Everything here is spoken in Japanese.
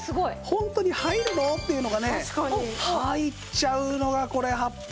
ホントに入るの？っていうのがね入っちゃうのがこれハッピークッカーのすごいところ。